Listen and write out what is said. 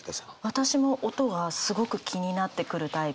私も音はすごく気になってくるタイプで。